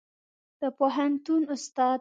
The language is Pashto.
د پوهنتون استاد